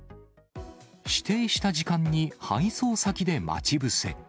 指定した時間に配送先で待ち伏せ。